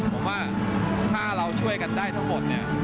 ผมว่าถ้าเราช่วยกันได้ทั้งหมดเนี่ย